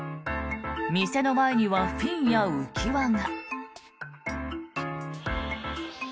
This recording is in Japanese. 店の前にはフィンや浮き輪が。